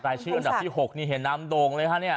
รายชื่ออันดับที่๖นี่เห็นน้ำโด่งเลยฮะเนี่ย